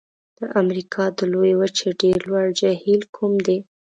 د امریکا د لویې وچې ډېر لوړ جهیل کوم دی؟